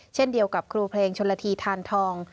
เช่นเดียวกับครูเพลงชนละทีทานทอง